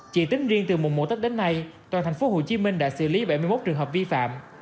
chỉ tính riêng từ mùng một tết đến nay toàn thành phố hồ chí minh đã xử lý bảy mươi một trường hợp vi phạm